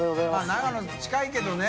長野近いけどね。